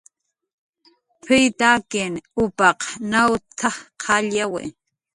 "P""iy t""akin upaq nawn t""aj qallyawi"